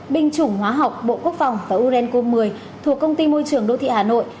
binh chủng hóa học bộ quốc phòng và urenco một mươi thuộc công ty môi trường đô thị hà nội